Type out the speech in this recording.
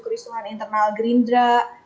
kerusuhan internal gerindra